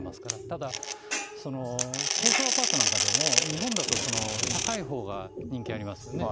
ただ、高層アパートなんかでも、日本だと高いほうが人気ありますよね。